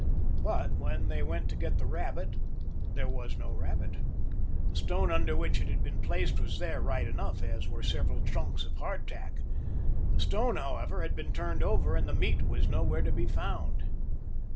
But when they went to get the rabbit there was no rabbit. The stone under which it had been placed was there right enough, as were several chunks of hard tack. The stone, however, had been turned over and the meat was nowhere to be found.